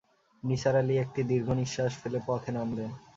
নিসার আলি একটি দীর্ঘনিঃশ্বাস ফেলে পথে নামলেন।